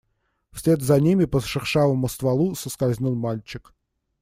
Вслед за ними по шершавому стволу соскользнул мальчик.